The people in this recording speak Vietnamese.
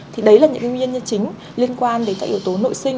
thì đấy là những nguyên nhân chính liên quan đến các yếu tố nội sinh